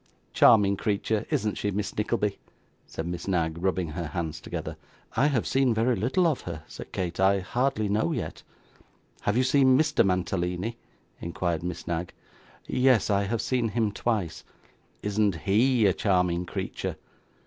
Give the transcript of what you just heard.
'Charming creature, isn't she, Miss Nickleby?' said Miss Knag, rubbing her hands together. 'I have seen very little of her,' said Kate. 'I hardly know yet.' 'Have you seen Mr. Mantalini?' inquired Miss Knag. 'Yes; I have seen him twice.' 'Isn't HE a charming creature?